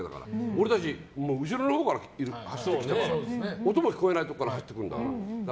俺たち後ろのほうから音も聞こえないところから走ってくるんだから。